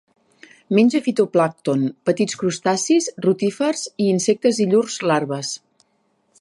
Menja fitoplàncton, petits crustacis, rotífers i insectes i llurs larves.